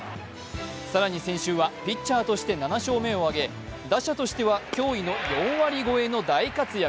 更に先週はピッチャーとして７勝目を挙げ打者としては驚異の４割超えの大活躍。